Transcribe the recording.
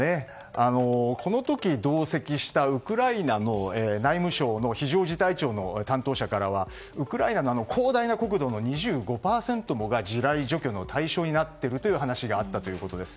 この時、同席したウクライナの内務省の非常事態庁の担当者からはウクライナの広大な国土の２５％が地雷除去の対象になっているという話があったということです。